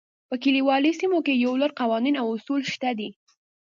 په کلیوالي سیمو کې یو لړ قوانین او اصول شته دي.